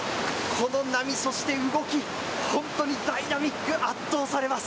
この波、そして動き、本当にダイナミック、圧倒されます。